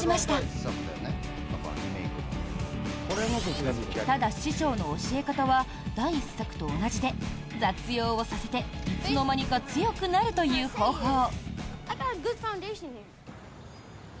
ただ、師匠の教え方は第１作と同じで雑用をさせて、いつの間にか強くなるという方法。